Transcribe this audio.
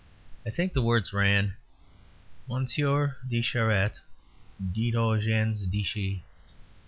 I think the words ran: Monsieur de Charette. Dit au gens d'ici.